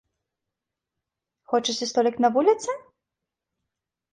Хочаце столік на вуліцы?